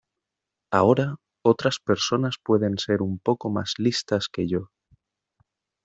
Ahora, otras personas pueden ser un poco más listas que yo.